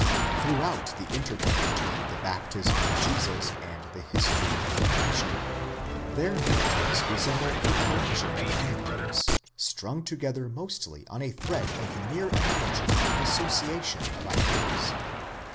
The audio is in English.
Throughout the interval between the baptism of Jesus and the history of the Passion, their narratives resemble a collection of anecdotes, strung together mostly on a thread of mere analogy and association of ideas.